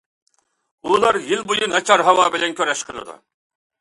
ئۇلار يىل بويى ناچار ھاۋا بىلەن كۈرەش قىلىدۇ.